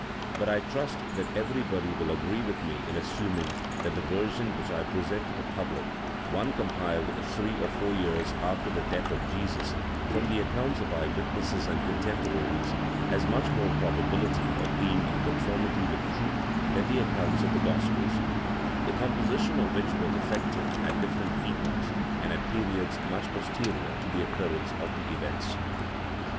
But I trust that everybody will agree with me in assuming that the version which I present to the public, one compiled three or four years after the death of Jesus, from the accounts of eyewitnesses and contemporaries, has much more probability of being in conformity with truth than the accounts of the Gospels, the composition of which was effected at different epochs and at periods much posterior to the occurrence of the events.